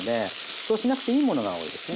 そうしなくていいものが多いですね。